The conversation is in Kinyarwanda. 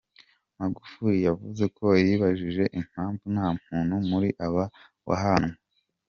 Magufuli yavuze ko yibajije impamvu nta muntu muri aba wahanwe.